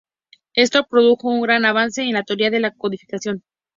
Esto produjo un gran avance en la teoría de la codificación.